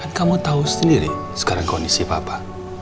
kan kamu tahu sendiri sekarang kondisi papa